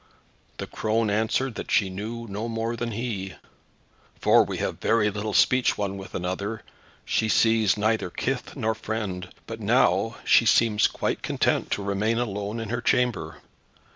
The crone answered that she knew no more than he, "for we have very little speech one with another. She sees neither kin nor friend; but, now, she seems quite content to remain alone in her chamber."